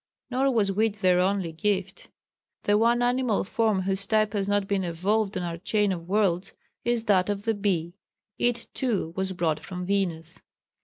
Nor was wheat their only gift. The one animal form whose type has not been evolved on our chain of worlds is that of the bee. It, too, was brought from Venus.